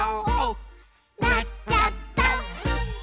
「なっちゃった！」